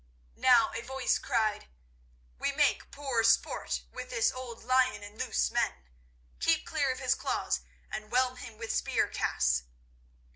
Now a voice cried: "We make poor sport with this old lion, and lose men. Keep clear of his claws, and whelm him with spear casts."